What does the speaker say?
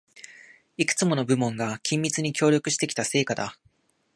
いくつもの部門が緊密に協力してきた成果だ